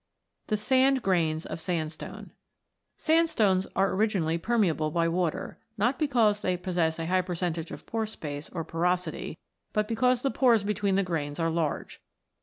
THE SAND GRAINS OF SANDSTONE Sandstones are originally permeable by water, not because they possess a high percentage of pore space, or " porosity," but because the pores between the grains are large.